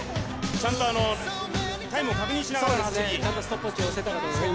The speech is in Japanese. ちゃんとタイムを確認しながらの走りそうですね